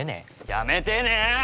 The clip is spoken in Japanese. やめてね。